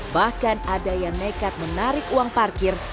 bahkan ada yang nekat menarik uang parkir